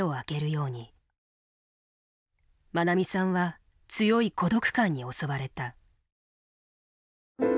まなみさんは強い孤独感に襲われた。